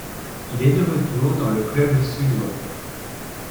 Il est de retour dans le club suédois.